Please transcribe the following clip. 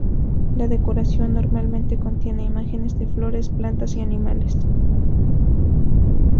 La decoración normalmente contiene imágenes de flores, plantas y animales.